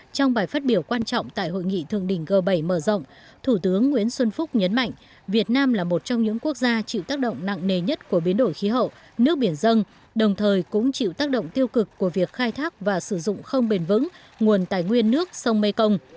trong bài phát biểu quan trọng tại hội nghị thượng đỉnh g bảy mở rộng thủ tướng nguyễn xuân phúc nhấn mạnh việt nam là một trong những quốc gia chịu tác động nặng nề nhất của biến đổi khí hậu nước biển dân đồng thời cũng chịu tác động tiêu cực của việc khai thác và sử dụng không bền vững nguồn tài nguyên nước sông mekong